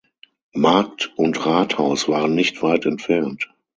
Markt und Rathaus waren nicht weit entfernt.